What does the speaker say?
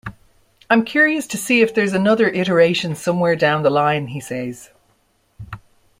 I'm curious to see if there's another iteration somewhere down the line, he says.